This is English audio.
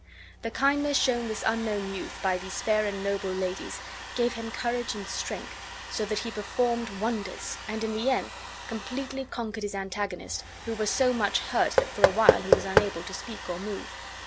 The kindness shown this unknown youth by these fair and noble ladies gave him courage and strength, so that he performed wonders; and in the end completely conquered his antagonist, who was so much hurt that for a while he was unable to speak or move.